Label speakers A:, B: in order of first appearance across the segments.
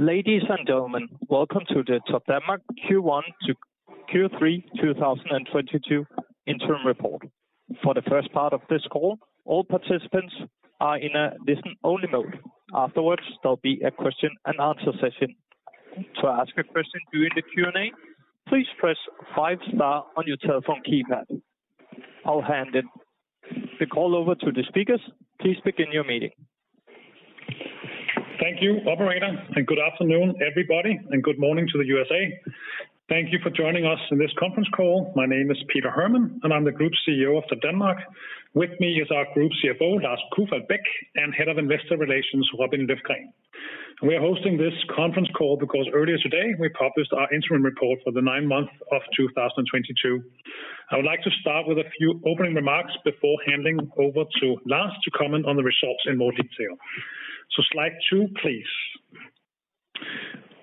A: Ladies and gentlemen, welcome to the Topdanmark Q1 to Q3 2022 interim report. For the first part of this call, all participants are in a listen-only mode. Afterwards, there'll be a question and answer session. To ask a question during the Q&A, please press five star on your telephone keypad. I'll hand the call over to the speakers. Please begin your meeting.
B: Thank you, operator, and good afternoon, everybody, and good morning to the USA. Thank you for joining us in this conference call. My name is Peter Hermann, and I'm the Group CEO of Topdanmark. With me is our Group CFO, Lars Kufall Beck, and Head of Investor Relations, Robin Løfgren. We are hosting this conference call because earlier today we published our interim report for the nine months of 2022. I would like to start with a few opening remarks before handing over to Lars to comment on the results in more detail. Slide 2, please.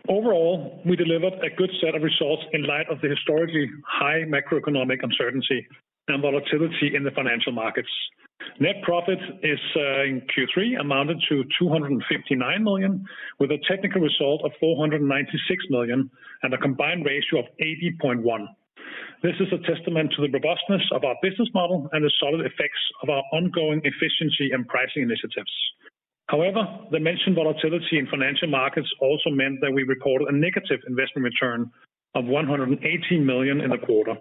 B: Overall, we delivered a good set of results in light of the historically high macroeconomic uncertainty and volatility in the financial markets. Net profit in Q3 amounted to 259 million, with a technical result of 496 million and a combined ratio of 80.1%. This is a testament to the robustness of our business model and the solid effects of our ongoing efficiency and pricing initiatives. However, the mentioned volatility in financial markets also meant that we reported a negative investment return of 118 million in the quarter.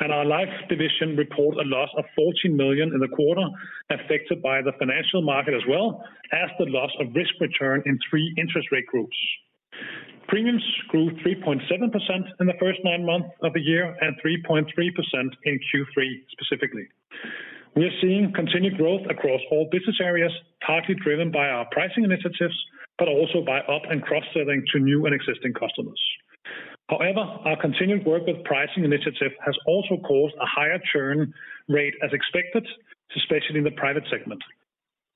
B: Our life division reported a loss of 14 million in the quarter affected by the financial market as well as the loss of risk return in three interest rate groups. Premiums grew 3.7% in the first nine months of the year and 3.3% in Q3 specifically. We are seeing continued growth across all business areas, partly driven by our pricing initiatives, but also by up- and cross-selling to new and existing customers. However, our continued work with pricing initiative has also caused a higher churn rate as expected, especially in the private segment.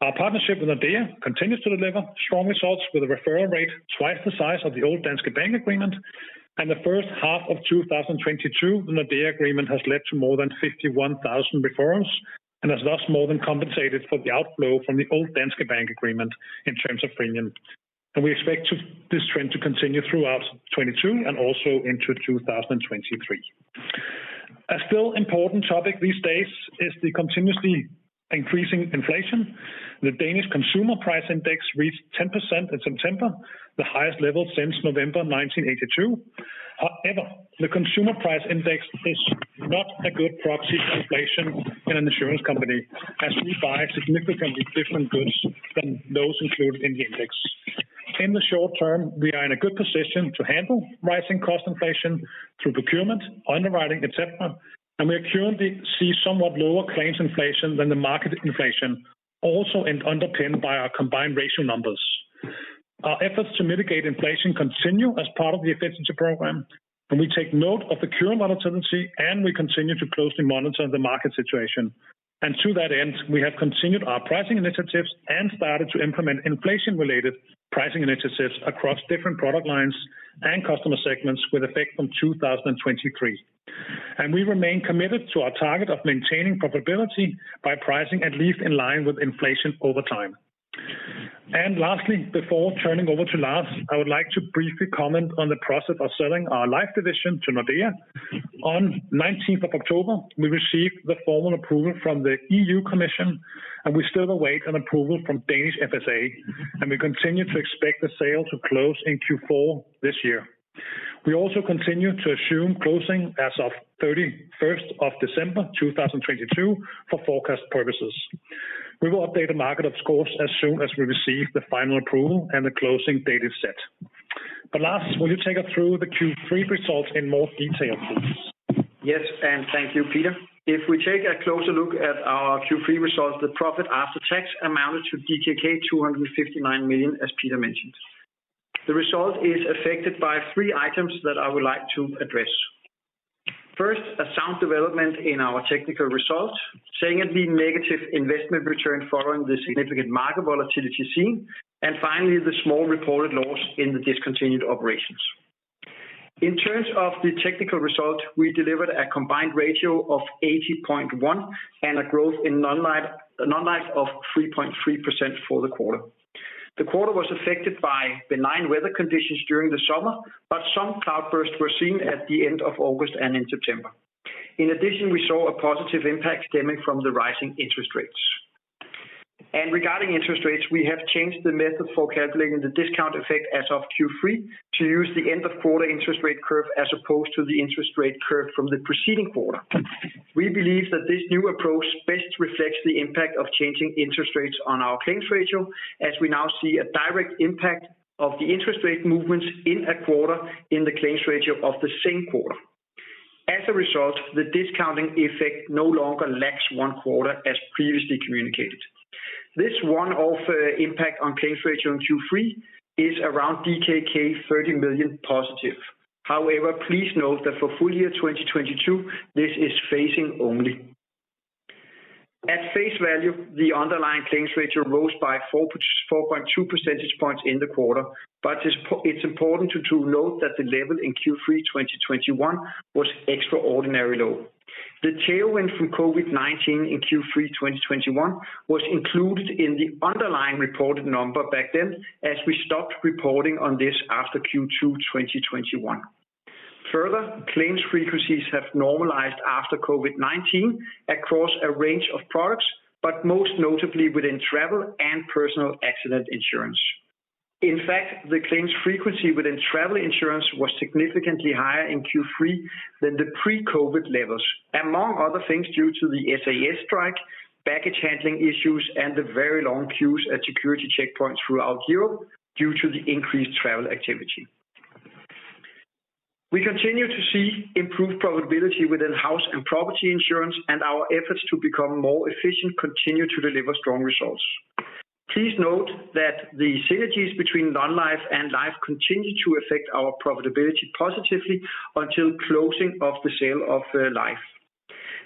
B: Our partnership with Nordea continues to deliver strong results with a referral rate twice the size of the old Danske Bank agreement. The first half of 2022, the Nordea agreement has led to more than 51,000 referrals and has thus more than compensated for the outflow from the old Danske Bank agreement in terms of premium. We expect this trend to continue throughout 2022 and also into 2023. A still important topic these days is the continuously increasing inflation. The Danish consumer price index reached 10% in September, the highest level since November 1982. However, the consumer price index is not a good proxy for inflation in an insurance company as we buy significantly different goods than those included in the index. In the short term, we are in a good position to handle rising cost inflation through procurement, underwriting, et cetera. We currently see somewhat lower claims inflation than the market inflation also underpinned by our combined ratio numbers. Our efforts to mitigate inflation continue as part of the efficiency program, and we take note of the current volatility, and we continue to closely monitor the market situation. To that end, we have continued our pricing initiatives and started to implement inflation related pricing initiatives across different product lines and customer segments with effect from 2023. We remain committed to our target of maintaining profitability by pricing at least in line with inflation over time. Lastly, before turning over to Lars, I would like to briefly comment on the process of selling our life division to Nordea. On the 19th of October, we received the formal approval from the European Commission, and we still await an approval from Danish FSA, and we continue to expect the sale to close in Q4 this year. We also continue to assume closing as of the 31st of December 2022 for forecast purposes. We will update the market of course as soon as we receive the final approval and the closing date is set. Lars, will you take us through the Q3 results in more detail, please?
C: Yes, thank you, Peter. If we take a closer look at our Q3 results, the profit after tax amounted to DKK 259 million, as Peter mentioned. The result is affected by three items that I would like to address. First, a sound development in our technical results, secondly negative investment return following the significant market volatility seen, and finally, the small reported loss in the discontinued operations. In terms of the technical result, we delivered a combined ratio of 80.1 and a growth in non-life of 3.3% for the quarter. The quarter was affected by benign weather conditions during the summer, but some cloudbursts were seen at the end of August and in September. In addition, we saw a positive impact stemming from the rising interest rates. Regarding interest rates, we have changed the method for calculating the discount effect as of Q3 to use the end of quarter interest rate curve as opposed to the interest rate curve from the preceding quarter. We believe that this new approach best reflects the impact of changing interest rates on our claims ratio as we now see a direct impact of the interest rate movements in a quarter in the claims ratio of the same quarter. As a result, the discounting effect no longer lacks one quarter as previously communicated. This one-off impact on claims ratio in Q3 is around DKK 30 million positive. However, please note that for full year 2022, this is phasing only. At face value, the underlying claims ratio rose by 4.2 percentage points in the quarter, but it's important to note that the level in Q3 2021 was extraordinarily low. The tailwind from COVID-19 in Q3 2021 was included in the underlying reported number back then, as we stopped reporting on this after Q2 2021. Further claims frequencies have normalized after COVID-19 across a range of products, but most notably within travel and personal accident insurance. In fact, the claims frequency within travel insurance was significantly higher in Q3 than the pre-COVID levels, among other things due to the SAS strike, baggage handling issues, and the very long queues at security checkpoints throughout Europe due to the increased travel activity. We continue to see improved profitability within house and property insurance, and our efforts to become more efficient continue to deliver strong results. Please note that the synergies between non-life and life continue to affect our profitability positively until closing of the sale of life.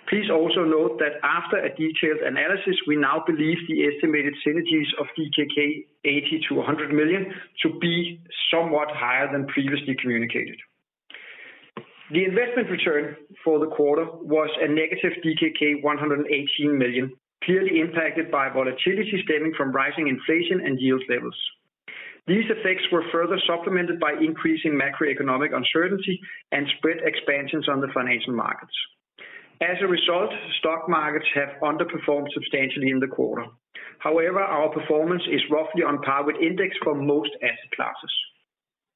C: Please also note that after a detailed analysis, we now believe the estimated synergies of 80 million-100 million DKK to be somewhat higher than previously communicated. The investment return for the quarter was a negative DKK 118 million, clearly impacted by volatility stemming from rising inflation and yield levels. These effects were further supplemented by increasing macroeconomic uncertainty and spread expansions on the financial markets. As a result, stock markets have underperformed substantially in the quarter. However, our performance is roughly on par with index for most asset classes.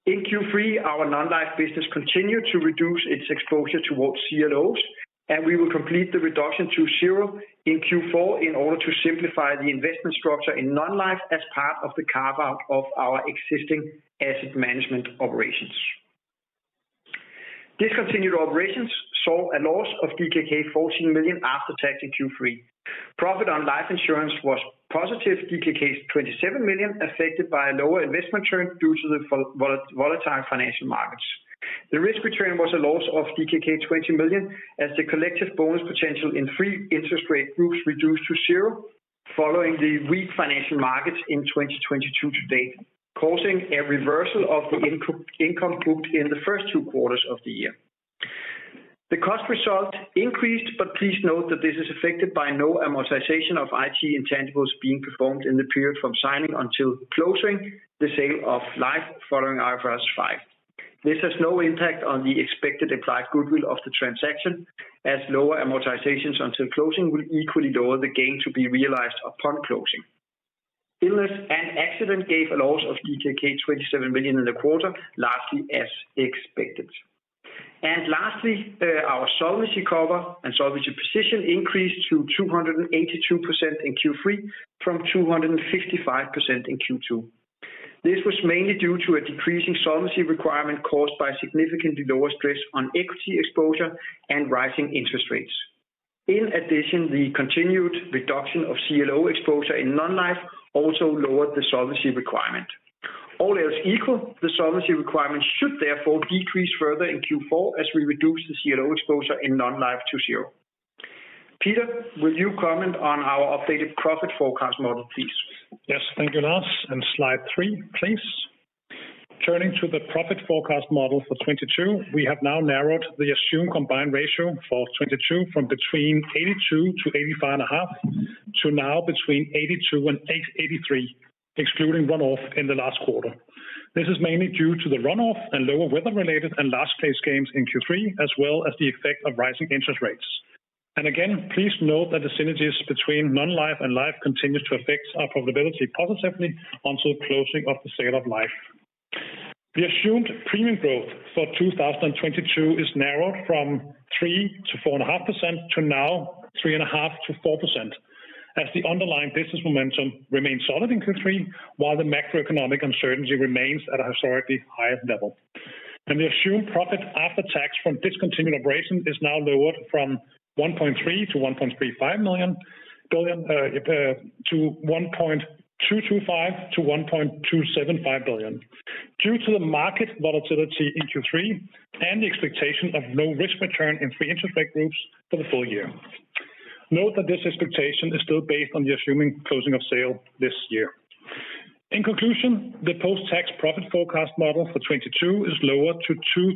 C: In Q3 our non-life business continued to reduce its exposure towards CLOs, and we will complete the reduction to zero in Q4 in order to simplify the investment structure in non-life as part of the carve out of our existing asset management operations. Discontinued operations saw a loss of DKK 14 million after tax in Q3. Profit on life insurance was +27 million DKK affected by a lower investment return due to the volatile financial markets. The risk return was a loss of DKK 20 million as the collective bonus potential in three interest rate groups reduced to zero following the weak financial markets in 2022 to date, causing a reversal of the income booked in the first two quarters of the year. The cost result increased, but please note that this is affected by no amortization of IT intangibles being performed in the period from signing until closing the sale of life following IFRS 5. This has no impact on the expected implied goodwill of the transaction, as lower amortizations until closing will equally lower the gain to be realized upon closing. Illness and accident gave a loss of DKK 27 million in the quarter, largely as expected. Lastly, our solvency cover and solvency position increased to 282% in Q3 from 255% in Q2. This was mainly due to a decreasing solvency requirement caused by significantly lower stress on equity exposure and rising interest rates. In addition, the continued reduction of CLO exposure in non-life also lowered the solvency requirement. All else equal, the solvency requirement should therefore decrease further in Q4 as we reduce the CLO exposure in non-life to zero. Peter, will you comment on our updated profit forecast model, please?
B: Yes, thank you, Lars. Slide three, please. Turning to the profit forecast model for 2022, we have now narrowed the assumed combined ratio for 2022 from between 82-85.5 to now between 82-83, excluding one-off in the last quarter. This is mainly due to the run-off and lower weather-related and large claims in Q3, as well as the effect of rising interest rates. Again, please note that the synergies between non-life and life continue to affect our profitability positively until closing of the sale of life. The assumed premium growth for 2022 is narrowed from 3%-4.5% to now 3.5%-4%, as the underlying business momentum remains solid in Q3, while the macroeconomic uncertainty remains at a historically highest level. The assumed profit after tax from discontinued operation is now lowered from 1.3-1.35 billion to 1.225-1.275 billion due to the market volatility in Q3 and the expectation of no risk return in three interest rate groups for the full year. Note that this expectation is still based on the assuming closing of sale this year. In conclusion, the post-tax profit forecast model for 2022 is lower to 2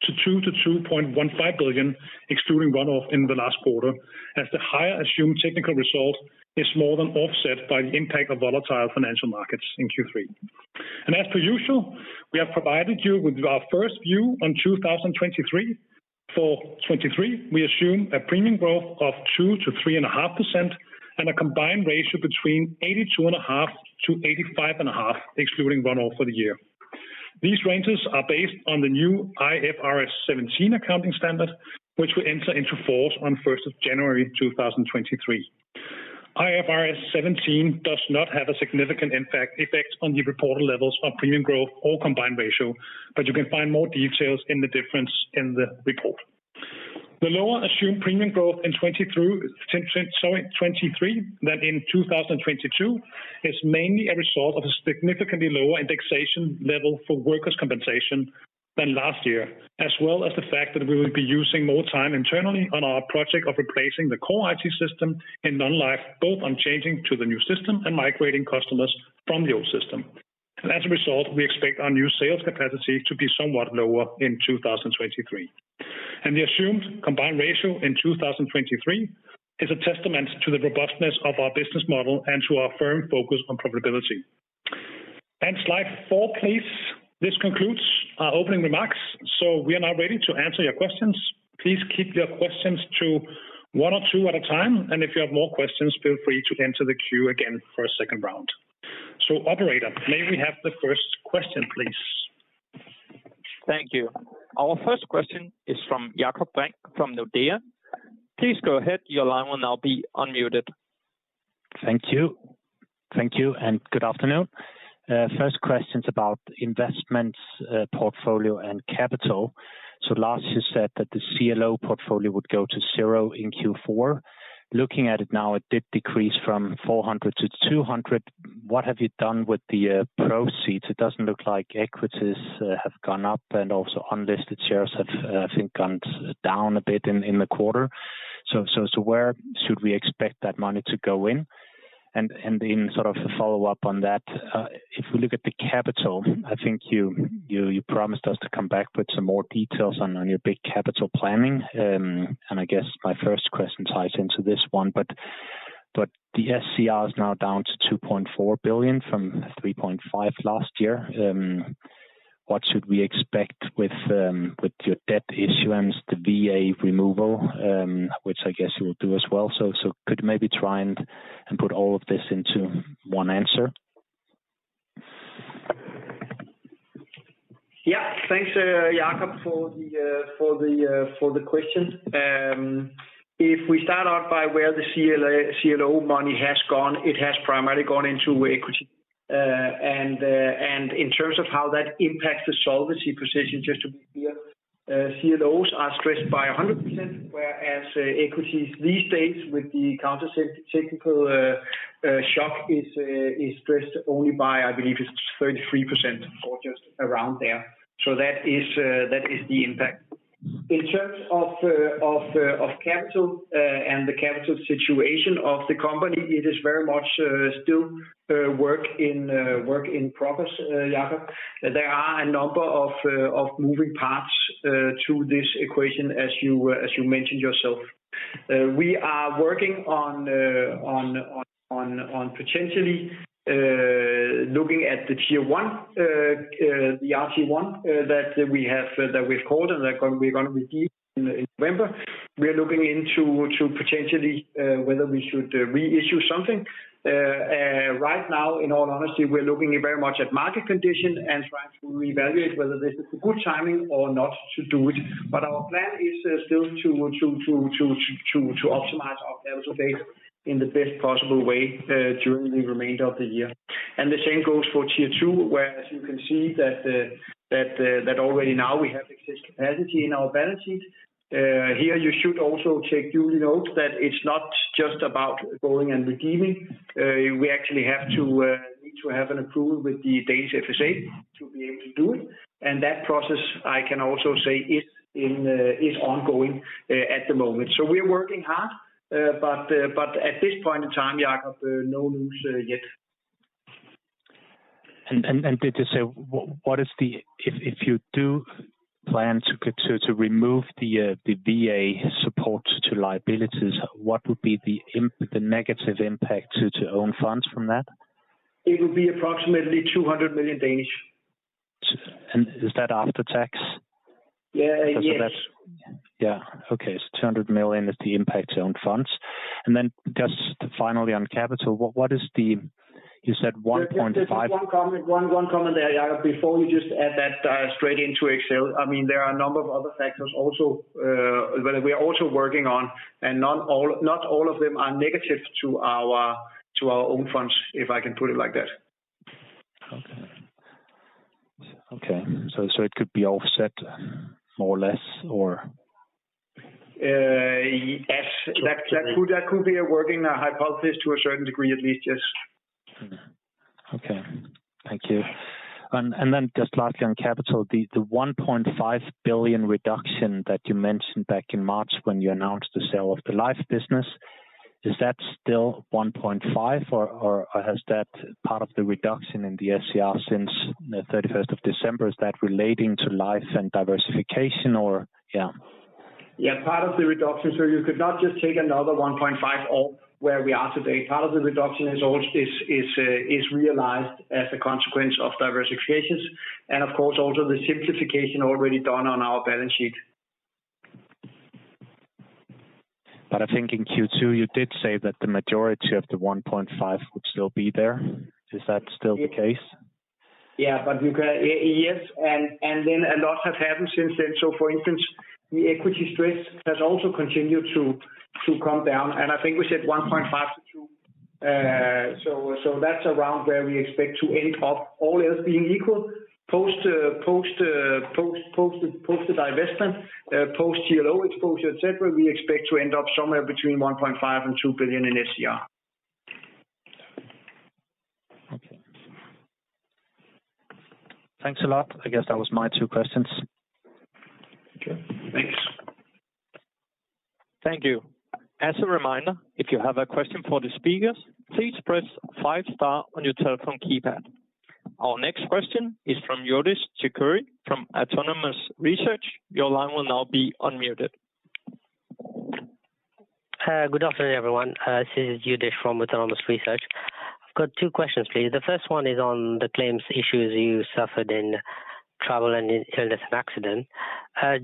B: billion-2.15 billion, excluding one-off in the last quarter, as the higher assumed technical result is more than offset by the impact of volatile financial markets in Q3. As per usual, we have provided you with our first view on 2023. For 2023, we assume a premium growth of 2%-3.5% and a combined ratio between 82.5%-85.5%, excluding one-off for the year. These ranges are based on the new IFRS 17 accounting standard, which will enter into force on January 1, 2023. IFRS 17 does not have a significant impact, effect on the reported levels of premium growth or combined ratio, but you can find more details in the difference in the report. The lower assumed premium growth in 2023 than in 2022 is mainly a result of a significantly lower indexation level for workers' compensation than last year, as well as the fact that we will be using more time internally on our project of replacing the core IT system in non-life, both on changing to the new system and migrating customers from the old system. As a result, we expect our new sales capacity to be somewhat lower in 2023. The assumed combined ratio in 2023 is a testament to the robustness of our business model and to our firm focus on profitability. Slide 4, please. This concludes our opening remarks, so we are now ready to answer your questions. Please keep your questions to one or two at a time, and if you have more questions, feel free to enter the queue again for a second round. Operator, may we have the first question, please?
A: Thank you. Our first question is from Jakob Brink from Nordea. Please go ahead. Your line will now be unmuted.
D: Thank you. Thank you, and good afternoon. First question's about investments, portfolio and capital. Last you said that the CLO portfolio would go to zero in Q4. Looking at it now, it did decrease from 400 to 200. What have you done with the proceeds? It doesn't look like equities have gone up and also unlisted shares have, I think, gone down a bit in the quarter. So where should we expect that money to go in? In sort of a follow-up on that, if we look at the capital, I think you promised us to come back with some more details on your big capital planning. I guess my first question ties into this one, but the SCR is now down to 2.4 billion from 3.5 billion last year. What should we expect with your debt issuance, the VA removal, which I guess you will do as well, so could maybe try and put all of this into one answer.
C: Yeah. Thanks, Jakob, for the question. If we start out by where the CLO money has gone, it has primarily gone into equity. In terms of how that impacts the solvency position, just to be clear, CLOs are stressed by 100%, whereas equities these days with the counter-cyclical shock is stressed only by, I believe it's 33% or just around there. That is the impact. In terms of capital and the capital situation of the company, it is very much still work in progress, Jakob. There are a number of moving parts to this equation as you mentioned yourself. We are working on potentially looking at the Tier 1, the RT1 that we have, that we've called, and that we're gonna redeem in November. We are looking into potentially whether we should reissue something. Right now, in all honesty, we're looking very much at market condition and trying to reevaluate whether this is a good timing or not to do it. Our plan is still to optimize our capital base in the best possible way during the remainder of the year. The same goes for Tier 2, where, as you can see, that already now we have excess capacity in our balance sheet. Here, you should also take duly note that it's not just about going and redeeming. We actually have to need to have an approval with the Danish FSA to be able to do it. That process, I can also say, is ongoing at the moment. We're working hard. At this point in time, Jakob, no news yet.
D: Just to say, if you do plan to remove the VA support to liabilities, what would be the negative impact to own funds from that?
C: It would be approximately 200 million.
D: Is that after tax?
C: Yeah. Yes.
D: 200 million is the impact to own funds. Just finally on capital, what is the you said 1.5-
C: Just one comment there, Jakob. Before you just add that straight into Excel, I mean, there are a number of other factors also, well, we are also working on, and not all of them are negative to our own funds, if I can put it like that.
D: Okay. It could be offset more or less, or?
C: Yes. That could be a working hypothesis to a certain degree, at least, yes.
D: Thank you. Then just lastly on capital, the 1.5 billion reduction that you mentioned back in March when you announced the sale of the life business, is that still 1.5 billion, or has that part of the reduction in the SCR since the thirty-first of December, is that relating to life and diversification or yeah?
C: Yeah. Part of the reduction. You could not just take another 1.5% at all where we are today. Part of the reduction is realized as a consequence of diversification, and of course, also the simplification already done on our balance sheet.
D: I think in Q2, you did say that the majority of the 1.5 would still be there. Is that still the case?
C: Yes, then a lot has happened since then. For instance, the equity stress has also continued to come down, and I think we said 1.5-2. That's around where we expect to end up all else being equal. Post the divestment, post CLO exposure, et cetera, we expect to end up somewhere between 1.5 billion and 2 billion in SCR.
D: Okay. Thanks a lot. I guess that was my two questions.
C: Okay. Thanks.
A: Thank you. As a reminder, if you have a question for the speakers, please press five star on your telephone keypad. Our next question is from Youdish Chicooree from Autonomous Research. Your line will now be unmuted.
E: Good afternoon, everyone. This is Yudish from Autonomous Research. I've got two questions, please. The first one is on the claims issues you suffered in travel and illness and accident.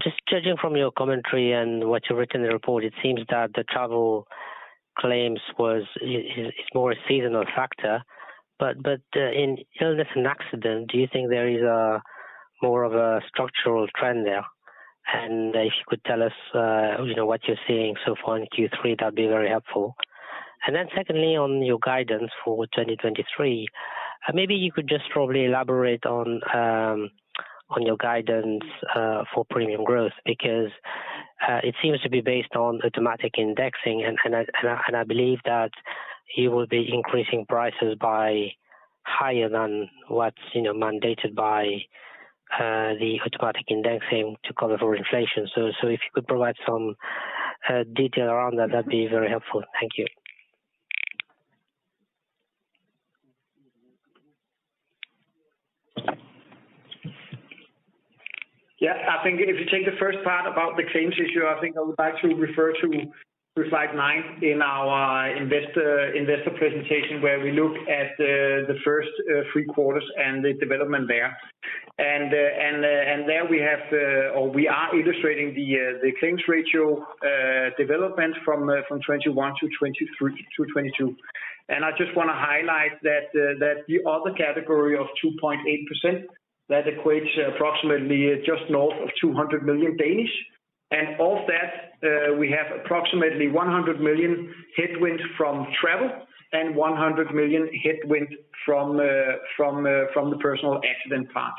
E: Just judging from your commentary and what you've written in the report, it seems that the travel claims is more a seasonal factor. But in illness and accident, do you think there is more of a structural trend there? And if you could tell us, you know, what you're seeing so far in Q3, that'd be very helpful. And then secondly, on your guidance for 2023, maybe you could just probably elaborate on your guidance for premium growth, because it seems to be based on automatic indexing. I believe that you will be increasing prices by higher than what's, you know, mandated by the automatic indexing to cover for inflation. If you could provide some detail around that'd be very helpful. Thank you.
C: Yeah. I think if you take the first part about the claims issue, I think I would like to refer to slide nine in our investor presentation, where we look at the first three quarters and the development there. There we have, or we are illustrating the claims ratio development from 2021 to 2023 to 2022. I just wanna highlight that the other category of 2.8%, that equates approximately just north of 200 million. Of that, we have approximately 100 million headwind from travel and 100 million headwind from the personal accident part.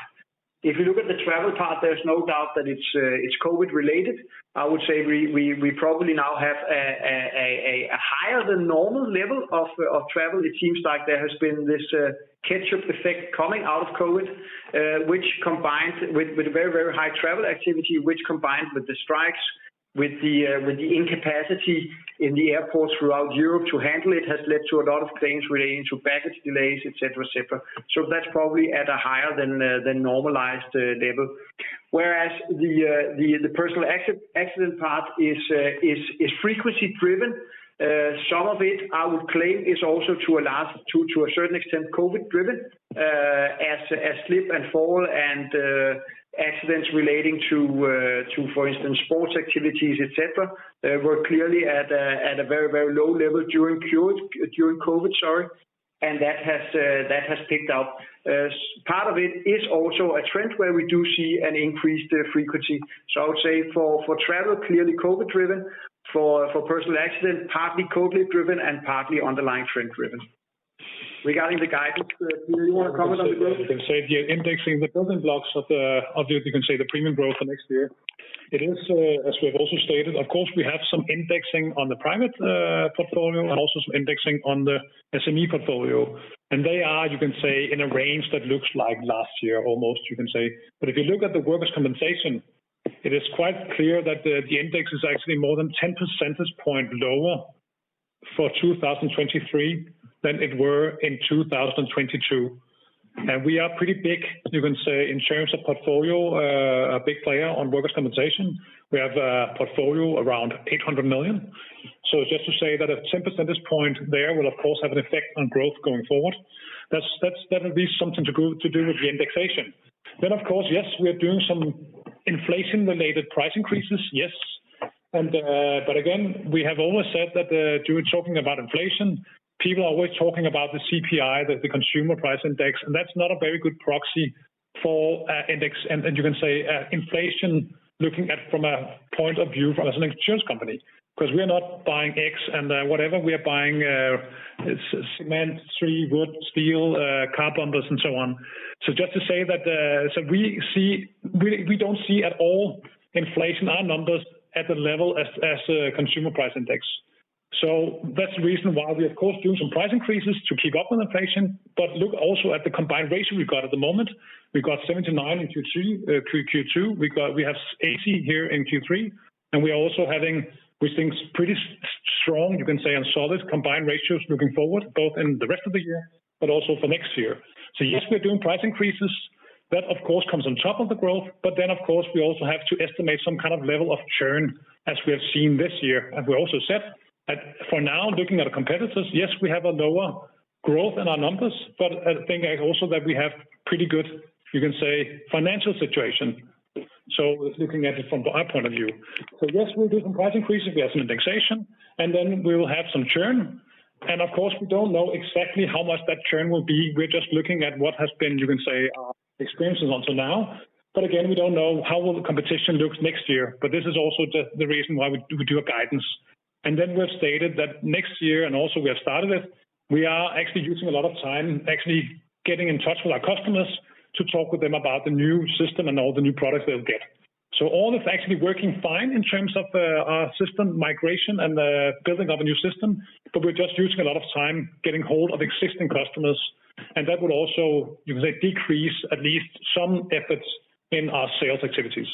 C: If you look at the travel part, there's no doubt that it's COVID related. I would say we probably now have a higher than normal level of travel. It seems like there has been this catch-up effect coming out of COVID, which combines with very high travel activity, which combines with the strikes, with the incapacity in the airports throughout Europe to handle it, has led to a lot of claims relating to baggage delays, et cetera. That's probably at a higher than normalized level. Whereas the personal accident part is frequency driven. Some of it I would claim is also to a certain extent COVID driven, as slip and fall and accidents relating to, for instance, sports activities, et cetera, were clearly at a very low level during COVID. That has picked up. Part of it is also a trend where we do see an increased frequency. I would say for travel, clearly COVID driven, for personal accident, partly COVID driven and partly underlying trend driven. Regarding the guidance, do you wanna comment on the growth?
B: You can say the indexing, the building blocks of the premium growth for next year. It is, as we have also stated, of course, we have some indexing on the private portfolio and also some indexing on the SME portfolio. They are, you can say, in a range that looks like last year, almost you can say. If you look at the workers' compensation, it is quite clear that the index is actually more than 10 percentage point lower for 2023 than it were in 2022. We are pretty big, you can say, in terms of portfolio, a big player on workers' compensation. We have a portfolio around 800 million. Just to say that a 10 percentage point there will of course have an effect on growth going forward. That will be something to do with the indexation. Of course, yes, we are doing some inflation related price increases, yes. But again, we have always said that, you were talking about inflation. People are always talking about the CPI, the consumer price index, and that's not a very good proxy for index. You can say, inflation looking at from a point of view from as an insurance company, 'cause we are not buying eggs and whatever we are buying, it's cement, tree, wood, steel, car bumpers and so on. Just to say that, we don't see at all inflation, our numbers at the level as consumer price index. That's the reason why we of course do some price increases to keep up with inflation. Look also at the combined ratio we've got at the moment. We've got 79% in Q2. We have 80% here in Q3, and we are also having, we think pretty strong, you can say, and solid combined ratios looking forward, both in the rest of the year, but also for next year. Yes, we're doing price increases. That of course comes on top of the growth. Then of course, we also have to estimate some kind of level of churn as we have seen this year. We also said that for now, looking at our competitors, yes, we have a lower growth in our numbers, but I think also that we have pretty good, you can say, financial situation. Looking at it from our point of view. Yes, we'll do some price increases. We have some indexation, and then we will have some churn. Of course, we don't know exactly how much that churn will be. We're just looking at what has been, you can say, experiences until now. Again, we don't know how will the competition looks next year. This is also the reason why we do a guidance. Then we've stated that next year, and also we have started it, we are actually using a lot of time getting in touch with our customers to talk with them about the new system and all the new products they'll get. All is actually working fine in terms of our system migration and the building of a new system, but we're just using a lot of time getting hold of existing customers. That would also, you could say, decrease at least some efforts in our sales activities.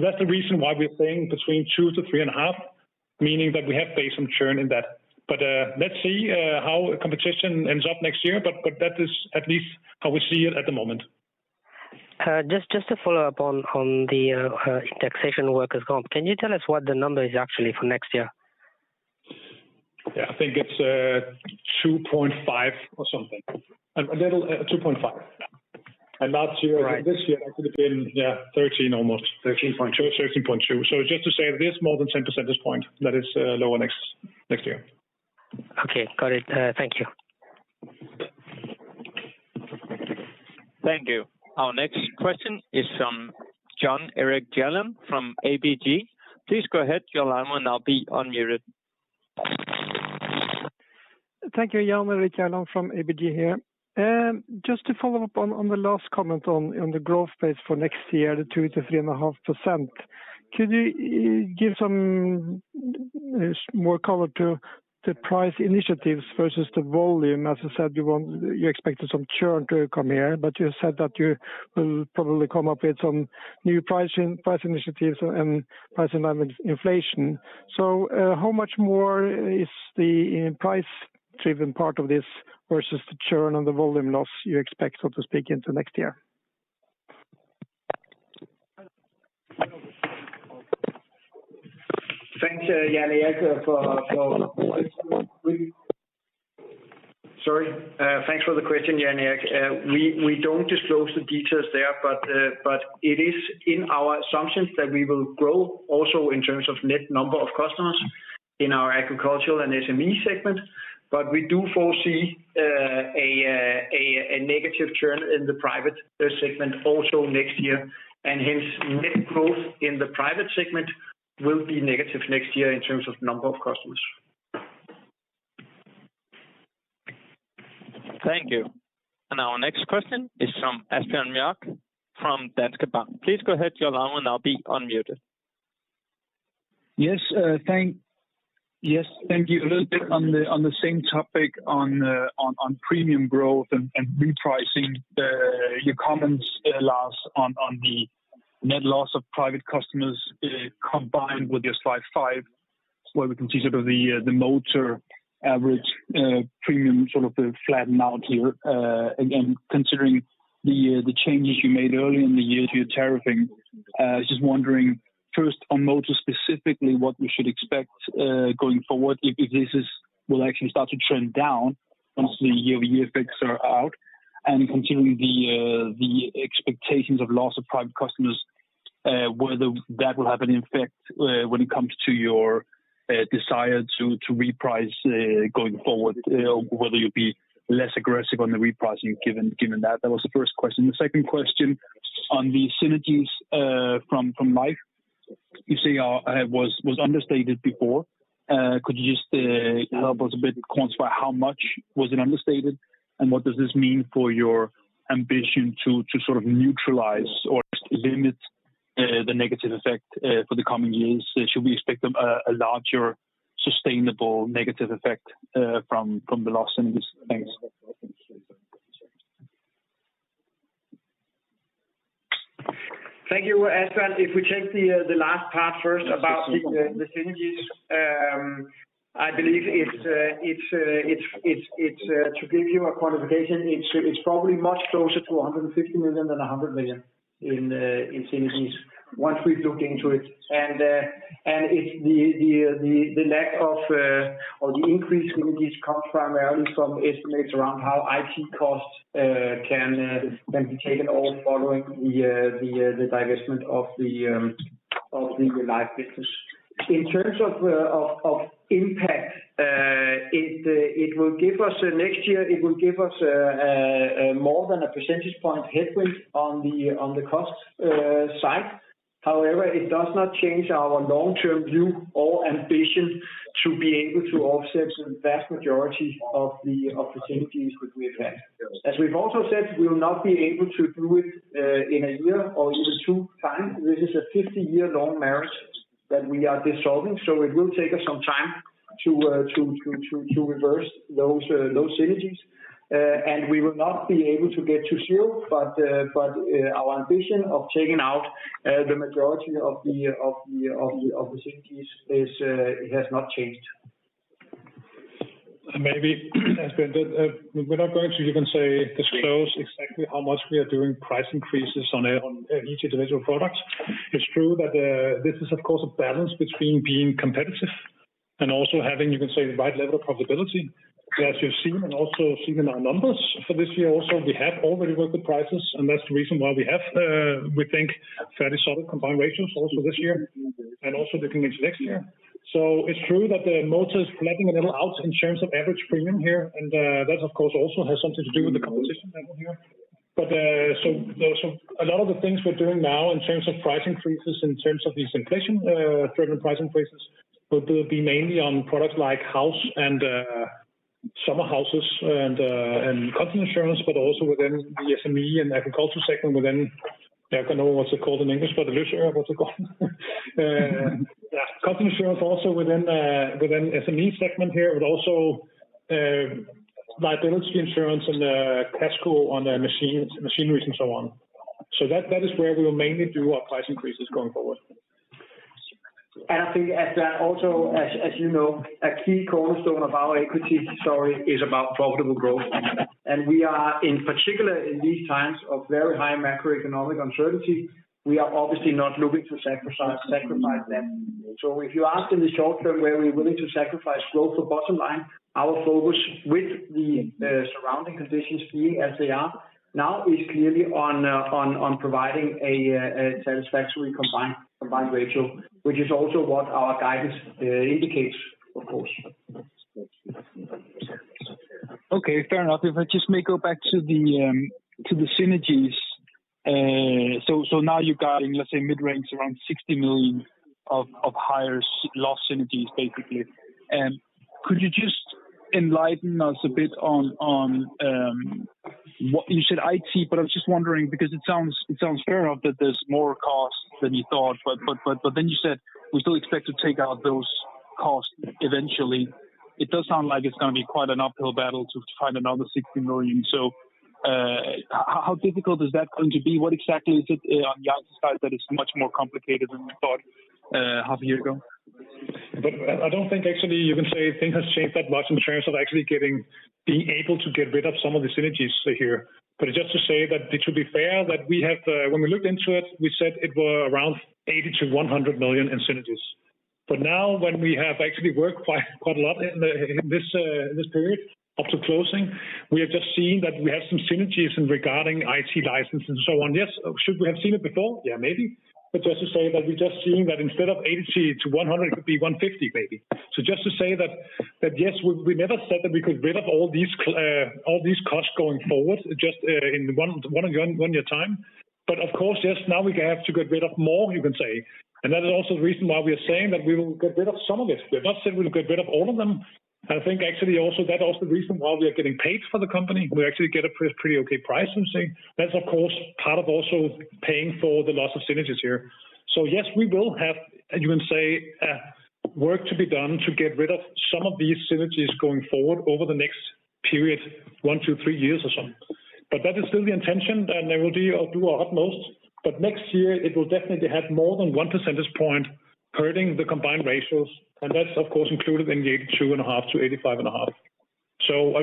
B: That's the reason why we're saying between 2-3.5, meaning that we have faced some churn in that. Let's see how competition ends up next year, but that is at least how we see it at the moment.
E: Just to follow up on the taxation work as well. Can you tell us what the number is actually for next year?
C: Yeah. I think it's 2.5 or something. 2.5. Last year-
E: Right.
C: This year it could have been, yeah, 13 almost.
E: 13.2.
C: 13.2. Just to say it is more than 10 percentage point that is, lower next year.
E: Okay. Got it. Thank you.
A: Thank you. Our next question is from John Erik Giæver from ABG. Please go ahead, your line will now be unmuted.
F: Thank you. John Erik Giæver from ABG here. Just to follow up on the last comment on the growth pace for next year, the 2%-3.5%. Could you give some more color to the price initiatives versus the volume? As you said, you expected some churn to come here, but you said that you will probably come up with some new pricing, price initiatives and price environment inflation. How much more is the price-driven part of this versus the churn on the volume loss you expect, so to speak, into next year?
C: Thanks for the question, John Erik Giæver. We don't disclose the details there, but it is in our assumptions that we will grow also in terms of net number of customers in our agricultural and SME segment. We do foresee a negative churn in the private segment also next year. Hence, net growth in the private segment will be negative next year in terms of number of customers.
A: Thank you. Our next question is from Asbjørn Mørk from Danske Bank. Please go ahead, your line will now be unmuted.
G: Yes, thank you. A little bit on the same topic on premium growth and repricing, your comments, Lars, on the net loss of private customers, combined with your slide five, where we can see sort of the motor average premium sort of flatten out here. Again, considering the changes you made early in the year to your tariffing, just wondering first on motor specifically, what we should expect going forward, if this will actually start to trend down once the year-over-year effects are out. Continuing the expectations of loss of private customers, whether that will have an effect when it comes to your desire to reprice going forward, whether you'll be less aggressive on the repricing given that? That was the first question. The second question on the synergies from Life you say was understated before. Could you just help us a bit quantify how much was it understated? What does this mean for your ambition to sort of neutralize or limit the negative effect for the coming years? Should we expect a larger sustainable negative effect from the losses? Thanks.
C: Thank you, Asbjørn Mørk. If we take the last part first about the synergies, I believe, to give you a quantification, it's probably much closer to 150 million than 100 million in synergies once we look into it. It's the lack of or the increase in these costs primarily from estimates around how IT costs can be taken over following the divestment of the Life business. In terms of impact, it will give us next year more than a percentage point headwind on the cost side. However, it does not change our long-term view or ambition to be able to offset the vast majority of the opportunities which we have had. As we've also said, we will not be able to do it in a year or even two years' time. This is a 50-year-long marriage that we are dissolving, so it will take us some time to reverse those synergies. We will not be able to get to zero, but our ambition of taking out the majority of the synergies is, it has not changed. Maybe, Asbjørn Mørk, we're not going to even say disclose exactly how much we are doing price increases on each individual product. It's true that, this is of course a balance between being competitive and also having, you can say, the right level of profitability. As you've seen and also seen in our numbers for this year also, we have already worked the prices, and that's the reason why we have, we think fairly solid combined ratios also this year and also looking into next year. It's true that the motor is lagging a little out in terms of average premium here. That of course also has something to do with the competition level here. So a lot of the things we're doing now in terms of price increases, in terms of these inflation-driven price increases, will be mainly on products like house and summer houses and content insurance, but also within the SME and agricultural sector within I don't know what's it called in English, but the business insurance, what's it called? Yeah, contents insurance also within SME segment here, but also liability insurance and Casco on their machinery and so on. That is where we will mainly do our price increases going forward.
B: I think, as you know, a key cornerstone of our equity story is about profitable growth. We are, in particular, in these times of very high macroeconomic uncertainty, obviously not looking to sacrifice them. If you ask in the short term, where we're willing to sacrifice growth for bottom line, our focus with the surrounding conditions being as they are now is clearly on providing a satisfactory combined ratio, which is also what our guidance indicates, of course.
G: Okay, fair enough. If I just may go back to the synergies. So now you've got, let's say, mid-range around 60 million of higher cost synergies, basically. Could you just enlighten us a bit on what you said it, but I was just wondering because it sounds fair enough that there's more costs than you thought, but then you said we still expect to take out those costs eventually. It does sound like it's gonna be quite an uphill battle to find another 60 million. How difficult is that going to be? What exactly is it on the outside that is much more complicated than you thought, half a year ago?
B: I don't think actually you can say things have changed that much in terms of actually being able to get rid of some of the synergies here. Just to say that it should be fair that we have, when we looked into it, we said it were around 80 million-100 million in synergies. Now when we have actually worked quite a lot in this period up to closing, we have just seen that we have some synergies in regarding IT license and so on. Yes. Should we have seen it before? Yeah, maybe. Just to say that we're just seeing that instead of 80 million-100 million, it could be 150 million, maybe. Just to say that yes, we never said that we could get rid of all these costs going forward just in one year time. Of course, yes, now we have to get rid of more, you can say. That is also the reason why we are saying that we will get rid of some of it. We've not said we will get rid of all of them. I think actually also that was the reason why we are getting paid for the company. We actually get a pretty okay price, I'm saying. That's of course part of also paying for the loss of synergies here. Yes, we will have, you can say, work to be done to get rid of some of these synergies going forward over the next period, 1-3 years or something. That is still the intention, and we will do our utmost. Next year it will definitely have more than 1 percentage point hurting the combined ratios. That's of course included in the 82.5%-85.5%.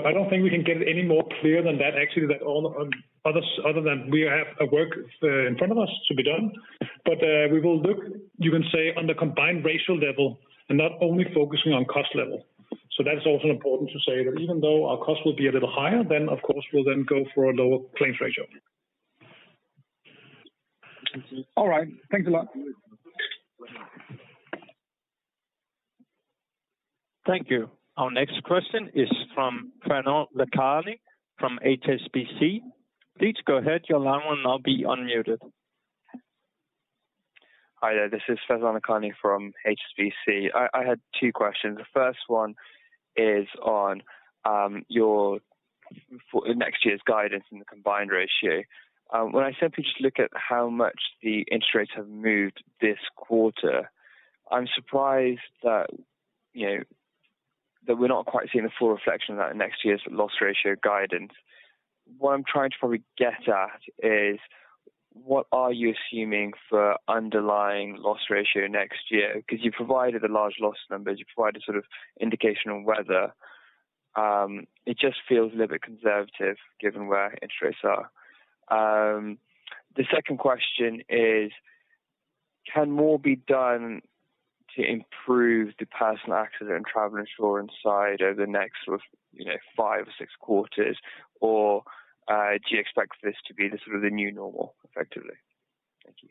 B: I don't think we can get any more clear than that actually, other than we have work in front of us to be done. We will look, you can say, on the combined ratio level and not only focusing on cost level. That's also important to say that even though our cost will be a little higher, then of course we'll then go for a lower claims ratio.
G: All right. Thanks a lot.
A: Thank you. Our next question is from Faizan Lakhani from HSBC. Please go ahead. Your line will now be unmuted.
H: Hi there. This is Faizan Lakhani from HSBC. I had two questions. The first one is on your for next year's guidance in the combined ratio. When I simply just look at how much the interest rates have moved this quarter, I'm surprised that, you know, that we're not quite seeing the full reflection of that in next year's loss ratio guidance. What I'm trying to probably get at is what are you assuming for underlying loss ratio next year? 'Cause you provided the large loss numbers, you provided sort of indication on weather. It just feels a little bit conservative given where interest rates are. The second question is, can more be done to improve the personal accident and travel insurance side over the next sort of, you know, 5, 6 quarters? Do you expect this to be the sort of the new normal effectively? Thank you.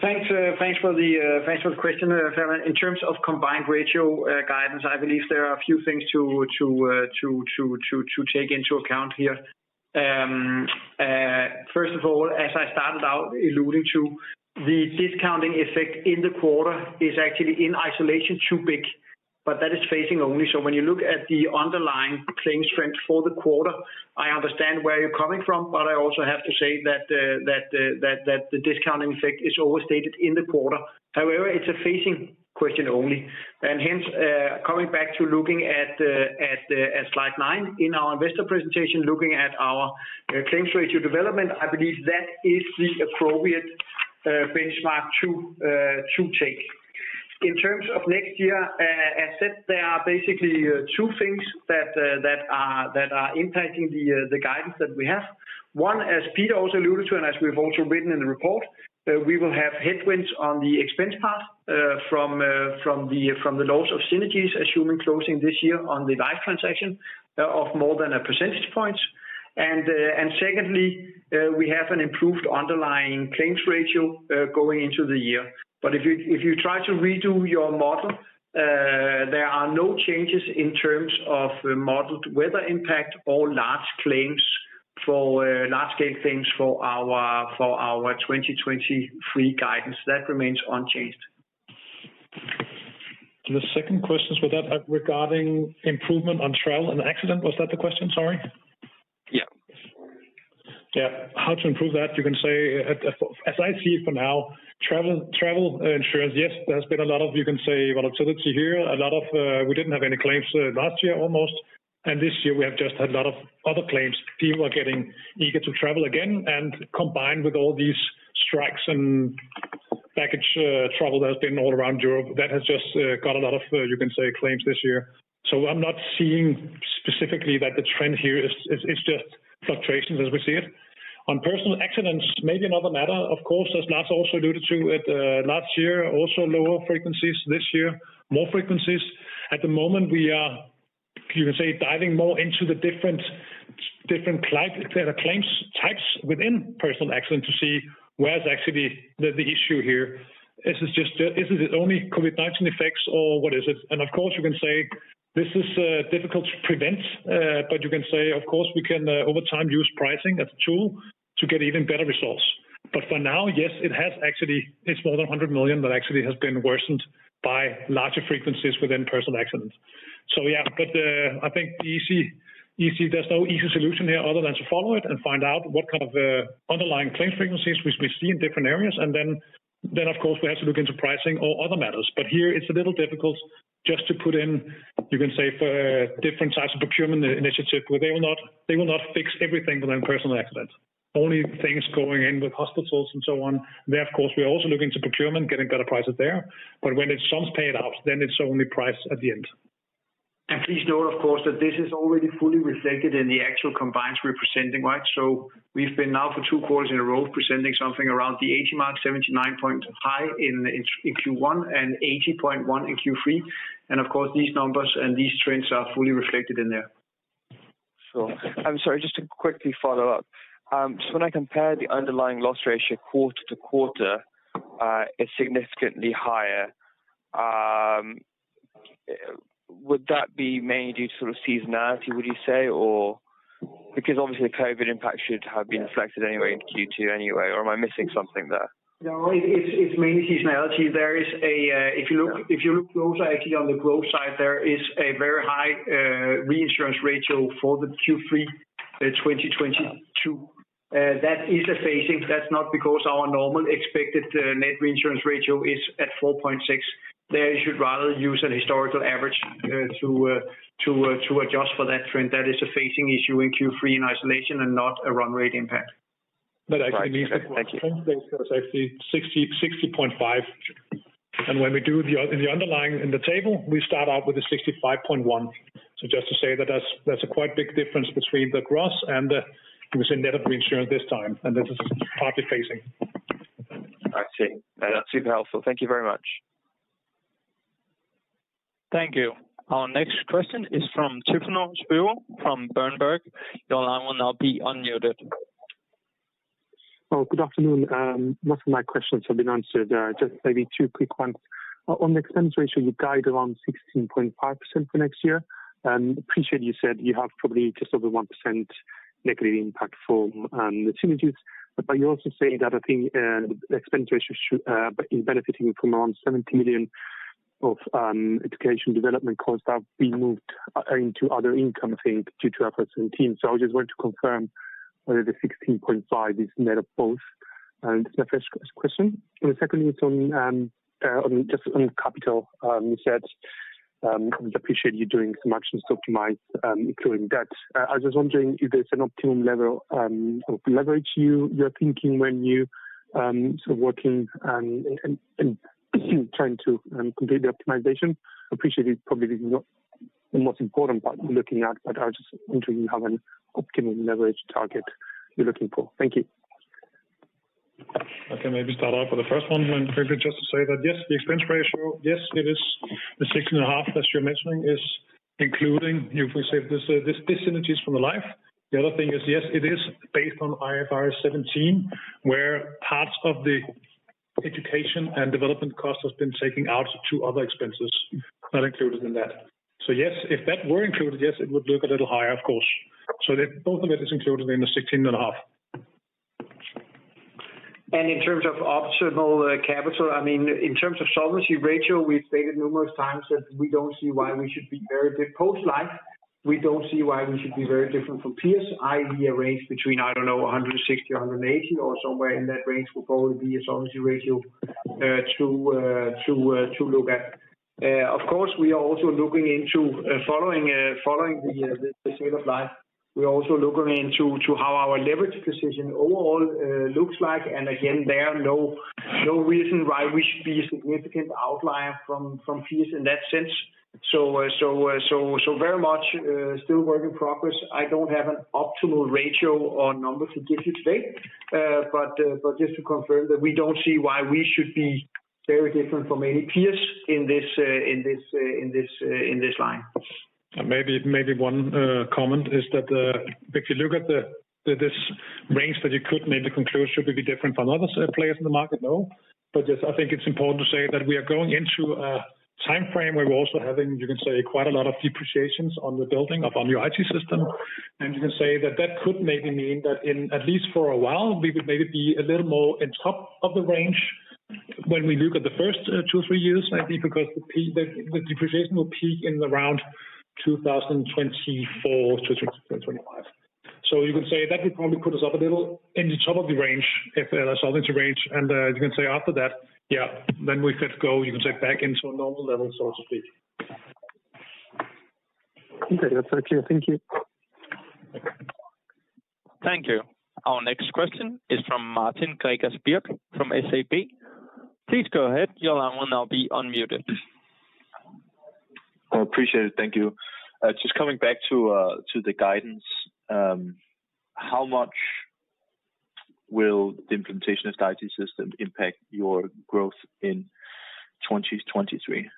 C: Thanks for the question, Faizan. In terms of combined ratio guidance, I believe there are a few things to take into account here. First of all, as I started out alluding to, the discounting effect in the quarter is actually in isolation too big, but that is phasing only. When you look at the underlying claims trend for the quarter, I understand where you're coming from, but I also have to say that the discounting effect is overstated in the quarter. However, it's a phasing question only. Hence, coming back to looking at slide nine in our investor presentation, looking at our claims ratio development, I believe that is the appropriate benchmark to take. In terms of next year, as said, there are basically two things that are impacting the guidance that we have. One, as Peter also alluded to, and as we've also written in the report, we will have headwinds on the expense part from the loss of synergies, assuming closing this year on the life transaction, of more than a percentage point. Secondly, we have an improved underlying claims ratio going into the year. If you try to redo your model, there are no changes in terms of the modeled weather impact or large claims for large scale claims for our 2023 guidance. That remains unchanged.
B: The second question was that regarding improvement on travel and accident, was that the question? Sorry.
H: Yeah.
B: Yeah. How to improve that, you can say as I see it for now, travel insurance, yes, there has been a lot of, you can say volatility here. A lot of, we didn't have any claims last year almost. This year we have just had a lot of other claims. People are getting eager to travel again and combined with all these strikes and package travel that has been all around Europe, that has just got a lot of, you can say claims this year. I'm not seeing specifically that the trend here is just fluctuations as we see it. On personal accidents, maybe another matter, of course, as Lars also alluded to it, last year, also lower frequencies. This year, more frequencies. At the moment we are, you can say, diving more into the different claims types within personal accident to see where is actually the issue here. Is this just, is it only COVID-19 effects or what is it? Of course, you can say this is difficult to prevent, but you can say, of course, we can over time use pricing as a tool to get even better results. For now, yes, it has actually, it's more than 100 million that actually has been worsened by larger frequencies within personal accidents. Yeah, but, I think easy—there's no easy solution here other than to follow it and find out what kind of underlying claims frequencies we see in different areas. Then, of course, we have to look into pricing or other matters. Here it's a little difficult just to put in, you can say, for different types of procurement initiative, where they will not fix everything within personal accident. Only things going in with hospitals and so on. There, of course, we are also looking to procurement, getting better prices there. When it sums paid out, then it's only price at the end.
C: Please note, of course, that this is already fully reflected in the actual combined ratios we're presenting, right? We've been now for two quarters in a row presenting something around the 80 mark, 79.8% in Q1 and 80.1% in Q3. Of course, these numbers and these trends are fully reflected in there.
H: Sure. I'm sorry, just to quickly follow up. When I compare the underlying loss ratio quarter to quarter, it's significantly higher. Would that be mainly due to sort of seasonality, would you say? Or because obviously the COVID impact should have been reflected anyway in Q2, or am I missing something there?
C: No, it's mainly seasonality. If you look closer actually on the growth side, there is a very high reinsurance ratio for the Q3 2022. That is a phasing. That's not because our normal expected net reinsurance ratio is at 4.6%. There you should rather use a historical average to adjust for that trend. That is a phasing issue in Q3 in isolation and not a run rate impact.
H: Right. Thank you.
B: Actually 60.5%. When we do the underlying in the table, we start out with a 65.1%. Just to say that that's a quite big difference between the gross and the net of reinsurance this time, and this is partly phasing.
H: I see. That's super helpful. Thank you very much.
A: Thank you. Our next question is from Tryfonas Spyrou from Berenberg. Your line will now be unmuted.
I: Oh, good afternoon. Most of my questions have been answered. Just maybe two quick ones. On the expense ratio, you guide around 16.5% for next year. Appreciate you said you have probably just over 1% negative impact from the synergies. But you also say that I think the expense ratio should be benefiting from around 70 million of R&D costs that are being moved into other income things due to IFRS 17. I just wanted to confirm whether the 16.5 is net of both. That's my first question. Secondly, it's on just on capital. You said, appreciate you doing some actions to optimize, including debt. I was just wondering if there's an optimum level of leverage you're thinking when you sort of working and trying to complete the optimization. Appreciate it probably is not the most important part you're looking at, but I was just wondering if you have an optimum leverage target you're looking for. Thank you.
B: I can maybe start out for the first one. When maybe just to say that, yes, the expense ratio, yes, it is the 16.5% that you're mentioning is including, if we say this synergies from the life. The other thing is, yes, it is based on IFRS 17, where parts of the administration and development cost has been taken out to other expenses not included in that. Yes, if that were included, yes, it would look a little higher, of course. Both of it is included in the 16.5%.
C: In terms of optimal capital, I mean, in terms of solvency ratio, we've stated numerous times that we don't see why we should be very different from peers post life, i.e. a range between, I don't know, 160%-180% or somewhere in that range would probably be a solvency ratio to look at. Of course, we are also looking into following the sale of life. We're also looking into how our leverage decision overall looks like. Again, there are no reason why we should be a significant outlier from peers in that sense. So very much still work in progress. I don't have an optimal ratio or number to give you today. Just to confirm that we don't see why we should be very different from any peers in this line.
B: Maybe one comment is that if you look at this range that you could maybe conclude should be different from other players in the market, no. But just I think it's important to say that we are going into a timeframe where we're also having, you can say, quite a lot of depreciations on the building upon our IT system. You can say that that could maybe mean that in at least for a while, we would maybe be a little more on top of the range when we look at the first two or three years, maybe because the depreciation will peak in the around.
C: 2024-2025. You can say that will probably put us up a little in the top of the range, if the solvency range. You can say after that, yeah, then we could go, you can say back into a normal level, so to speak.
I: Okay. That's very clear. Thank you.
A: Thank you. Our next question is from Martin Gregers Birk from SEB. Please go ahead. Your line will now be unmuted.
J: I appreciate it. Thank you. Just coming back to the guidance. How much will the implementation of the IT system impact your growth in 2023?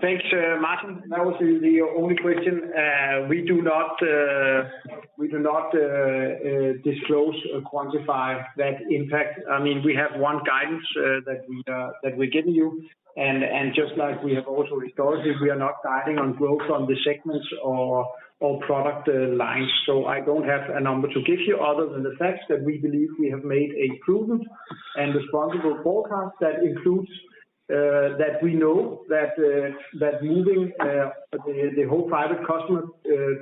C: Thanks, Martin. That was the only question. We do not disclose or quantify that impact. I mean, we have one guidance that we give you. Just like we have also historically, we are not guiding on growth on the segments or product lines. I don't have a number to give you other than the fact that we believe we have made a prudent and responsible forecast that includes that we know that moving the whole private customer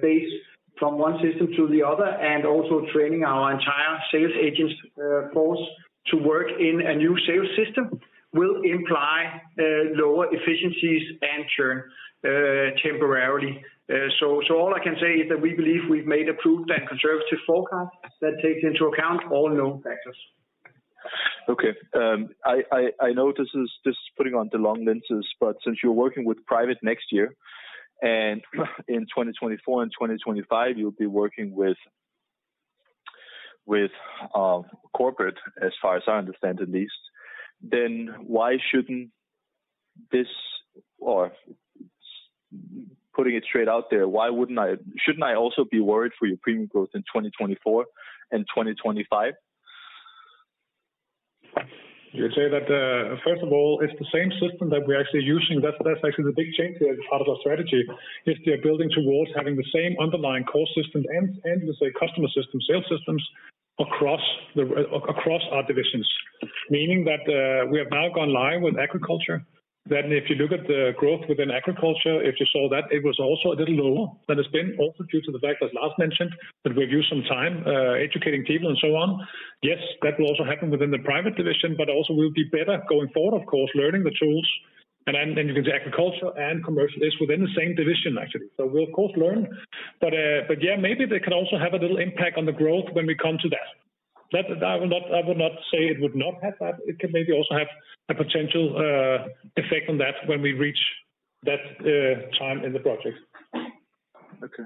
C: base from one system to the other, and also training our entire sales agents force to work in a new sales system will imply lower efficiencies and churn temporarily. All I can say is that we believe we've made a prudent and conservative forecast that takes into account all known factors.
J: Okay. I know this is putting on the long lenses, but since you're working with private next year, and in 2024 and 2025 you'll be working with corporate, as far as I understand at least, then why shouldn't this or putting it straight out there, why wouldn't I, shouldn't I also be worried for your premium growth in 2024 and 2025?
B: You say that, first of all, it's the same system that we're actually using. That's actually the big change here as part of our strategy, is we are building towards having the same underlying core system and you say customer system, sales systems across our divisions. Meaning that, we have now gone live with agriculture. If you look at the growth within agriculture, if you saw that it was also a little lower than it's been, also due to the fact as Lars mentioned, that we've used some time, educating people and so on. Yes, that will also happen within the private division, but also we'll be better going forward, of course, learning the tools. You can say agriculture and commercial is within the same division actually. So we'll of course learn.
C: Yeah, maybe they can also have a little impact on the growth when we come to that. That I would not say it would not have that. It can maybe also have a potential effect on that when we reach that time in the project.
J: Okay.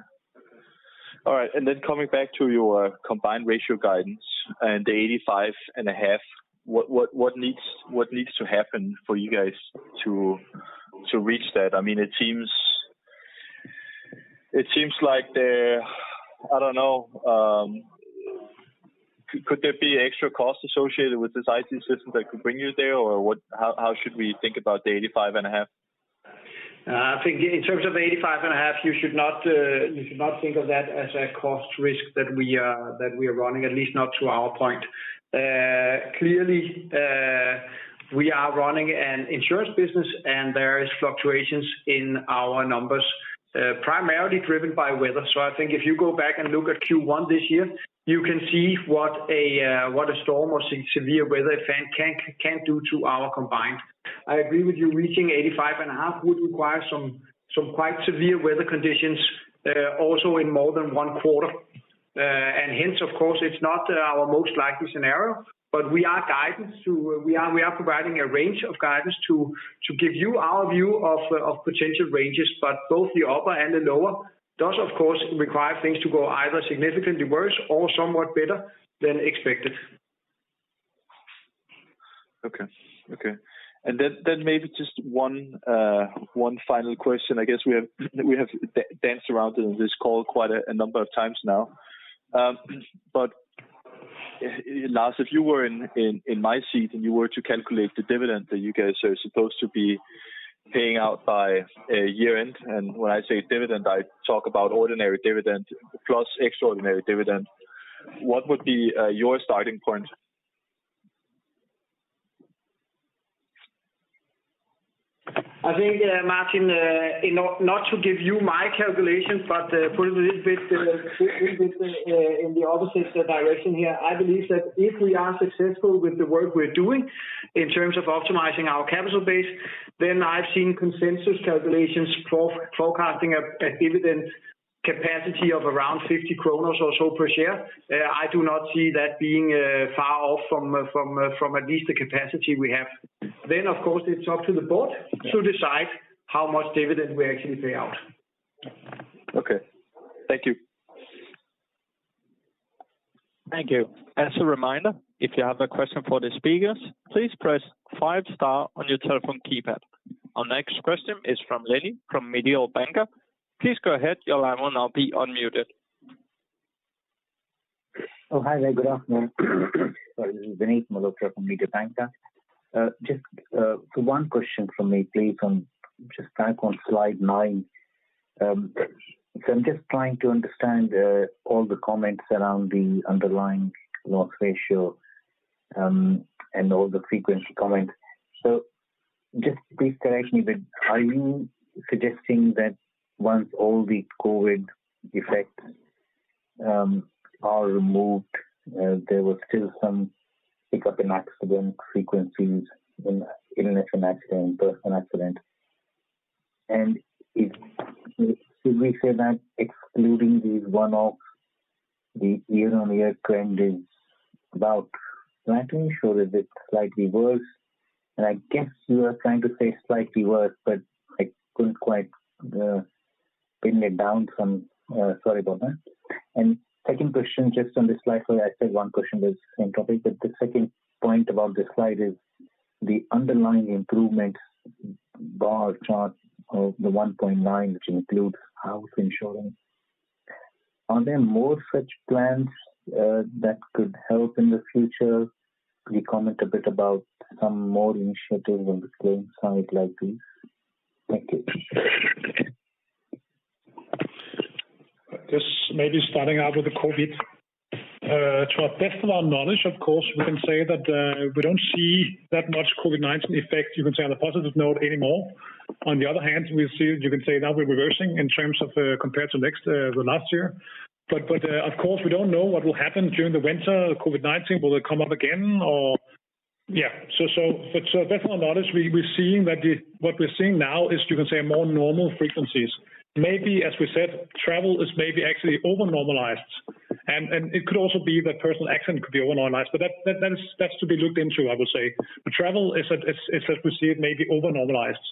J: All right. Then coming back to your combined ratio guidance and the 85.5%. What needs to happen for you guys to reach that? I mean, it seems like I don't know. Could there be extra costs associated with this IT system that could bring you there? Or, how should we think about the 85.5%?
C: I think in terms of 85.5%, you should not think of that as a cost risk that we are running, at least not to our point. Clearly, we are running an insurance business, and there is fluctuations in our numbers, primarily driven by weather. I think if you go back and look at Q1 this year, you can see what a storm or severe weather event can do to our combined ratio. I agree with you, reaching 85.5% would require some quite severe weather conditions, also in more than one quarter. Hence, of course, it's not our most likely scenario, but we are providing a range of guidance to give you our view of potential ranges, but both the upper and the lower does of course require things to go either significantly worse or somewhat better than expected.
J: Maybe just one final question. I guess we have danced around in this call quite a number of times now. But Lars, if you were in my seat and you were to calculate the dividend that you guys are supposed to be paying out by year-end, and when I say dividend, I talk about ordinary dividend plus extraordinary dividend, what would be your starting point?
C: I think, Martin, not to give you my calculation, but put it a little bit in the opposite direction here. I believe that if we are successful with the work we're doing in terms of optimizing our capital base, then I've seen consensus calculations for forecasting a dividend capacity of around 50 kroner or so per share. I do not see that being far off from at least the capacity we have. Of course, it's up to The Board to decide how much dividend we actually pay out.
J: Okay. Thank you.
A: Thank you. As a reminder, if you have a question for the speakers, please press five star on your telephone keypad. Our next question is from Vinit from Mediobanca. Please go ahead. Your line will now be unmuted.
K: Oh, hi there. Good afternoon. Sorry. This is Vinit Malhotra from Mediobanca. Just one question from me, please, on just back on slide nine. So I'm just trying to understand all the comments around the underlying loss ratio and all the frequency comments. Just please correct me, but are you suggesting that once all the COVID effects are removed, there was still some pickup in accident frequencies in international accident, personal accident? Should we say that excluding these one-offs, the year-on-year trend is about flattening or is it slightly worse? I guess you are trying to say slightly worse, but I couldn't quite pin it down from, sorry about that. Second question just on this slide. I said one question was same topic, but the second point about this slide is the underlying improvements bar chart of the 1.9, which includes house insurance. Are there more such plans that could help in the future? Could you comment a bit about some more initiatives on the claims side like this? Thank you.
B: Just maybe starting out with the COVID. To our best of our knowledge, of course, we can say that we don't see that much COVID-19 effect, you can say, on a positive note anymore. On the other hand, we see you can say now we're reversing in terms of, compared to next, the last year. Of course, we don't know what will happen during the winter. COVID-19, will it come up again or yeah. Best of our knowledge we're seeing that what we're seeing now is you can say more normal frequencies. Maybe as we said, travel is maybe actually over normalized. It could also be that personal accident could be over normalized. That is to be looked into I would say. Travel is as we see it may be over normalized.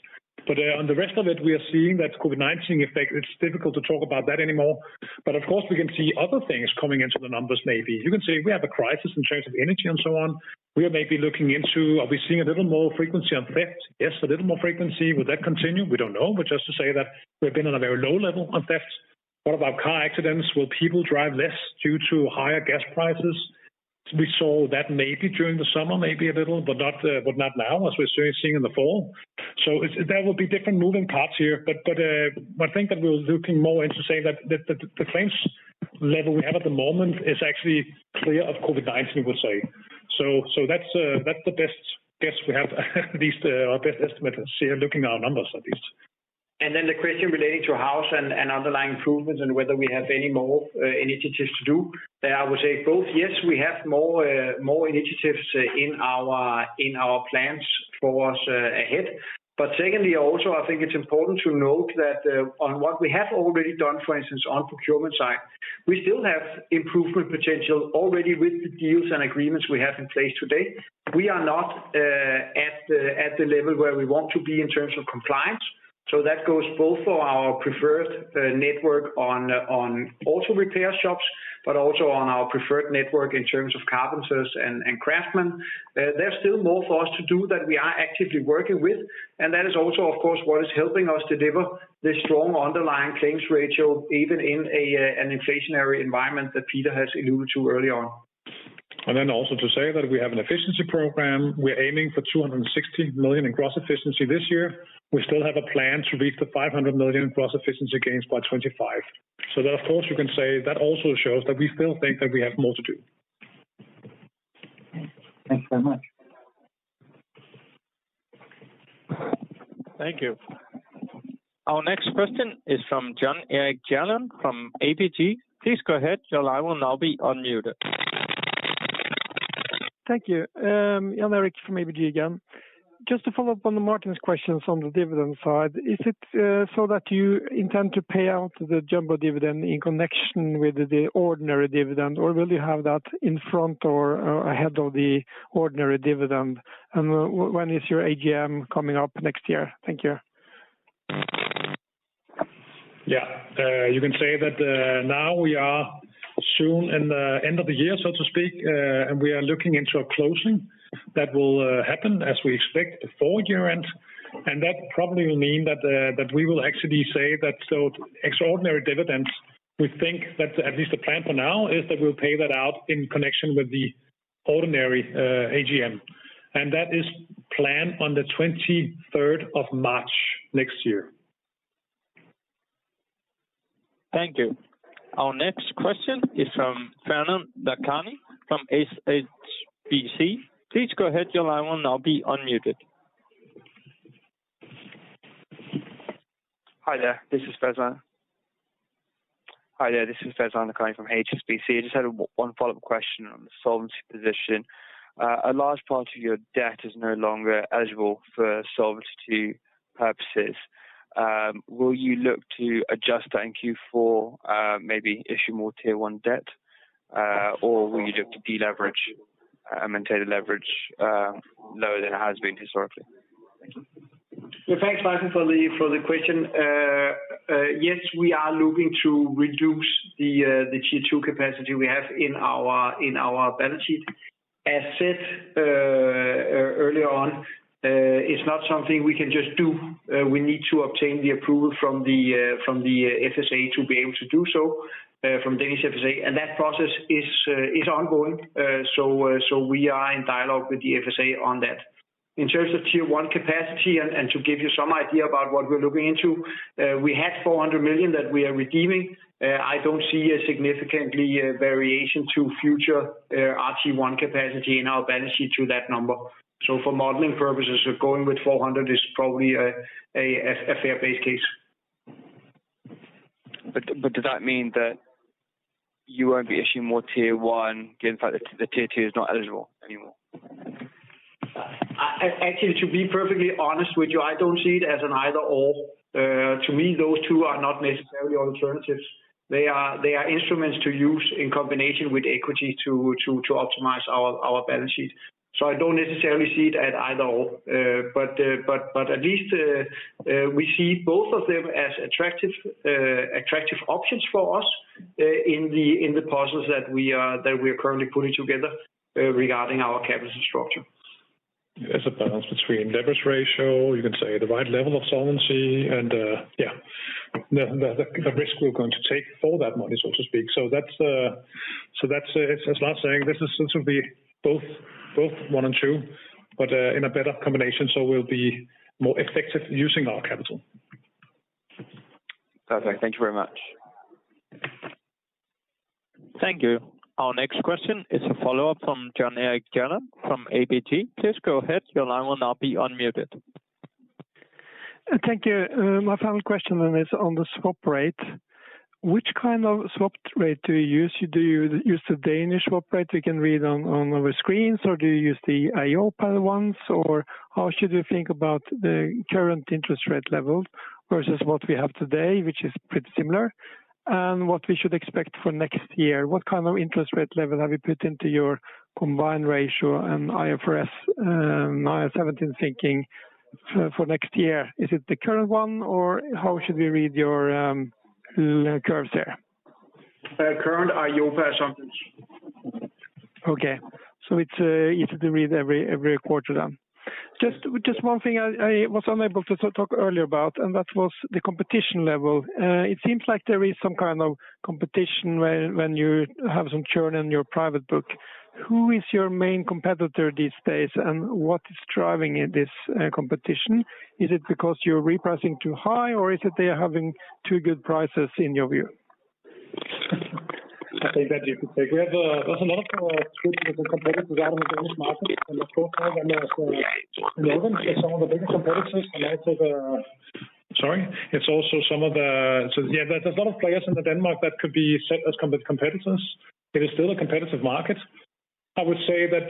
B: On the rest of it, we are seeing that COVID-19 effect. It's difficult to talk about that anymore. Of course we can see other things coming into the numbers maybe. You can say we have a crisis in terms of energy and so on. We are maybe looking into are we seeing a little more frequency on theft? Yes, a little more frequency. Will that continue? We don't know. Just to say that we've been on a very low level on theft. What about car accidents? Will people drive less due to higher gas prices? We saw that maybe during the summer, maybe a little, but not now as we're seeing in the fall. It's there will be different moving parts here. I think that we're looking more into saying that the claims level we have at the moment is actually clear of COVID-19, we'll say. That's the best guess we have, at least our best estimate looking at our numbers at least.
C: The question relating to house and underlying improvements and whether we have any more initiatives to do. I would say both, yes, we have more initiatives in our plans for us ahead. Secondly, also I think it's important to note that on what we have already done, for instance on procurement side, we still have improvement potential already with the deals and agreements we have in place today. We are not at the level where we want to be in terms of compliance. That goes both for our preferred network on auto repair shops, but also on our preferred network in terms of carpenters and craftsmen. There's still more for us to do that we are actively working with, and that is also of course what is helping us deliver this strong underlying claims ratio, even in an inflationary environment that Peter has alluded to earlier on.
B: to say that we have an efficiency program. We're aiming for 260 million in gross efficiency this year. We still have a plan to reach the 500 million in gross efficiency gains by 2025. that of course you can say that also shows that we still think that we have more to do.
K: Thanks. Thanks very much.
A: Thank you. Our next question is from John Erik Giæver from ABG. Please go ahead, John. Your line will now be unmuted.
F: Thank you. John Erik Giæver from ABG again. Just to follow up on Martin's questions on the dividend side. Is it so that you intend to pay out the jumbo dividend in connection with the ordinary dividend or will you have that in front or ahead of the ordinary dividend? When is your AGM coming up next year? Thank you.
B: Yeah. You can say that, now we are soon in the end of the year, so to speak, and we are looking into a closing that will happen as we expect before year-end. That probably will mean that we will actually say that so extraordinary dividends, we think that at least the plan for now is that we'll pay that out in connection with the ordinary AGM. That is planned on the 23rd of March next year.
A: Thank you. Our next question is from Faizan Lakhani from HSBC. Please go ahead, your line will now be unmuted.
H: Hi there, this is Faizan Lakhani from HSBC. I just had one follow-up question on the solvency position. A large part of your debt is no longer eligible for solvency purposes. Will you look to adjust that in Q4, maybe issue more Tier 1 debt? Or will you look to deleverage and maintain the leverage lower than it has been historically? Thank you.
C: Yeah, thanks, Faizan Lakhani, for the question. Yes, we are looking to reduce the Tier 2 capacity we have in our balance sheet. As said earlier on, it's not something we can just do. We need to obtain the approval from the FSA to be able to do so, from Danish FSA. That process is ongoing. We are in dialogue with the FSA on that. In terms of Tier 1 capacity and to give you some idea about what we're looking into, we had 400 million that we are redeeming. I don't see a significant variation to future RT1 capacity in our balance sheet to that number. For modeling purposes, going with 400 million is probably a fair base case.
H: Does that mean that you won't be issuing more Tier 1 given that the Tier 2 is not eligible anymore?
C: Actually, to be perfectly honest with you, I don't see it as an either/or. To me, those two are not necessarily alternatives. They are instruments to use in combination with equity to optimize our balance sheet. I don't necessarily see it as either/or. At least, we see both of them as attractive options for us in the process that we are currently putting together regarding our capital structure.
B: There's a balance between leverage ratio, you can say the right level of solvency and the risk we're going to take for that money, so to speak. That's, as Lars is saying, this is simply both one and two, but in a better combination, so we'll be more effective using our capital.
H: Perfect. Thank you very much.
A: Thank you. Our next question is a follow-up from John Erik Giæver from ABG Sundal Collier. Please go ahead. Your line will now be unmuted.
F: Thank you. My final question then is on the swap rate. Which kind of swap rate do you use? Do you use the Danish swap rate we can read on our screens, or do you use the EIOPA ones? Or how should we think about the current interest rate level versus what we have today, which is pretty similar, and what we should expect for next year? What kind of interest rate level have you put into your combined ratio and IFRS 17 thinking for next year? Is it the current one, or how should we read your curves there?
C: The current EIOPA assumptions.
F: Okay. It's easy to read every quarter then. Just one thing I was unable to talk earlier about, and that was the competition level. It seems like there is some kind of competition when you have some churn in your private book. Who is your main competitor these days, and what is driving this competition? Is it because you're repricing too high, or is it they are having too good prices in your view?
C: I think that you could take. We have, there's a lot of competitors out in the Danish market.
B: Sorry. It's also some of the players in Denmark that could be seen as competitors. There's a lot of players in Denmark that could be seen as competitors. It is still a competitive market. I would say that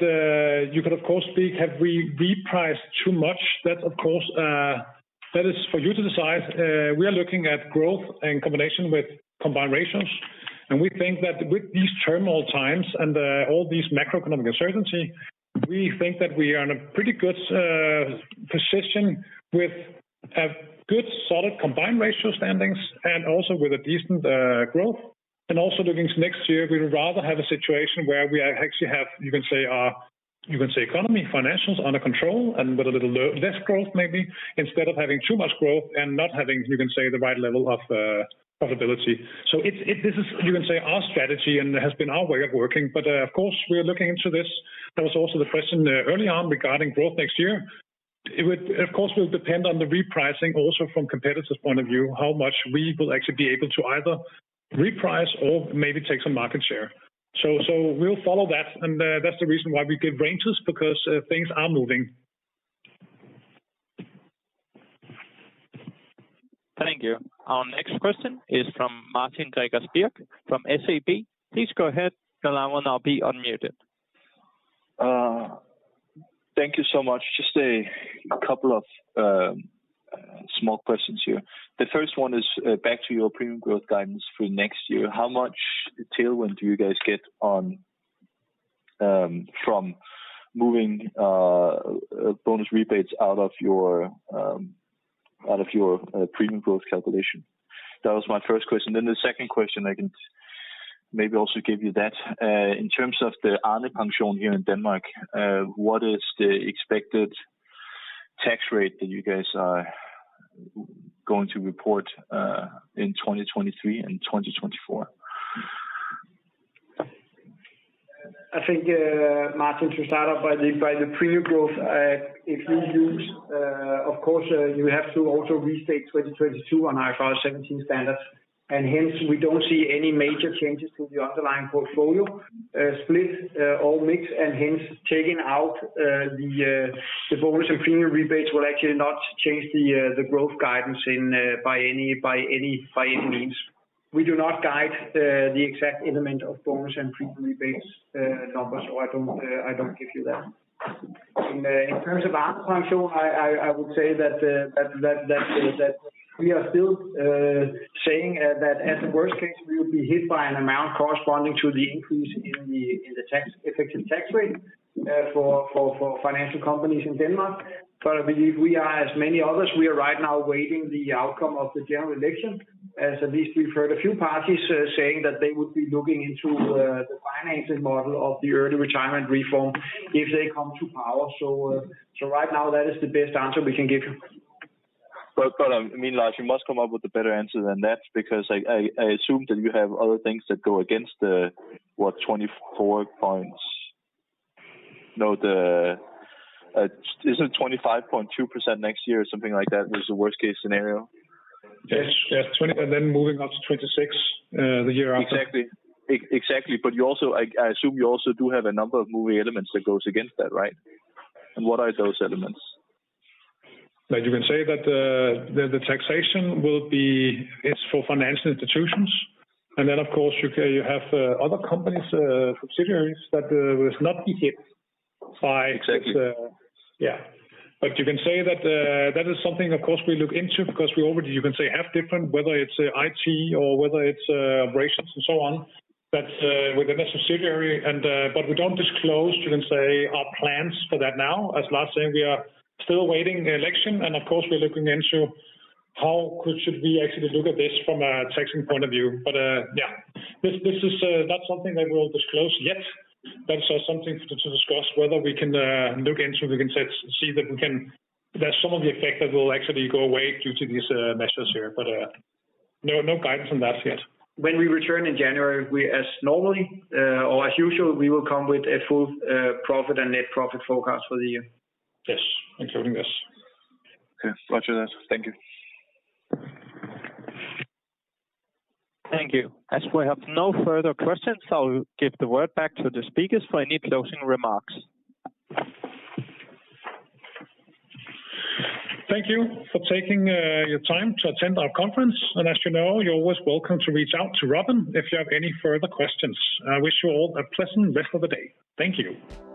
B: you could of course speak, have we repriced too much. That of course that is for you to decide. We are looking at growth in combination with combined ratios. We think that with these turbulent times and all these macroeconomic uncertainties, we think that we are in a pretty good position with a good solid combined ratio standings and also with a decent growth. Also looking to next year, we would rather have a situation where we actually have, you can say, you can say economy financials under control and with a little less growth maybe, instead of having too much growth and not having, you can say, the right level of profitability. This is, you can say, our strategy and has been our way of working. Of course, we are looking into this. That was also the question early on regarding growth next year. It will, of course, depend on the repricing also from competitors' point of view, how much we will actually be able to either reprice or maybe take some market share. We'll follow that, and that's the reason why we give ranges, because things are moving.
A: Thank you. Our next question is from Martin Gregers Birk from SEB. Please go ahead. Your line will now be unmuted.
J: Thank you so much. Just a couple of small questions here. The first one is back to your premium growth guidance for next year. How much tailwind do you guys get on from moving bonus rebates out of your premium growth calculation? That was my first question. The second question, I can maybe also give you that. In terms of the andelspension here in Denmark, what is the expected tax rate that you guys are going to report in 2023 and 2024?
C: I think, Martin, to start off by the premium growth, if you use, of course, you have to also restate 2022 on IFRS 17 standards. Hence, we don't see any major changes to the underlying portfolio split or mix, and hence taking out the bonus and premium rebates will actually not change the growth guidance by any means. We do not guide the exact element of bonus and premium rebates numbers, so I don't give you that. In terms of andelspension, I would say that we are still saying that as the worst case, we will be hit by an amount corresponding to the increase in the effective tax rate for financial companies in Denmark. I believe we are, as many others, we are right now awaiting the outcome of the general election, as at least we've heard a few parties saying that they would be looking into the financing model of the early retirement reform if they come to power. Right now, that is the best answer we can give you.
J: I mean, Lars, you must come up with a better answer than that because I assume that you have other things that go against the what 24 points. No, the is it 25.2% next year or something like that was the worst-case scenario?
B: Yes. Yes. 20, and then moving up to 26, the year after.
J: Exactly. Exactly. You also, I assume you also do have a number of moving elements that goes against that, right? What are those elements?
B: Like you can say that the taxation is for financial institutions. Of course, you have other companies, subsidiaries that will not be hit by-
C: Exactly.
B: Yeah. That is something of course we look into because we already, you can say, have different, whether it's IT or whether it's operations and so on. We don't disclose our plans for that now. As Lars said, we are still awaiting the election, and of course, we're looking into should we actually look at this from a tax point of view. Yeah. This is not something that we'll disclose yet. That's something to discuss whether we can look into, we can say, see that some of the effect that will actually go away due to these measures here. No guidance on that yet.
C: When we return in January, or as usual, we will come with a full profit and net profit forecast for the year.
B: Yes. Including this.
J: Okay. Roger that. Thank you.
A: Thank you. As we have no further questions, I'll give the word back to the speakers for any closing remarks.
B: Thank you for taking your time to attend our conference. As you know, you're always welcome to reach out to Robin if you have any further questions. I wish you all a pleasant rest of the day. Thank you.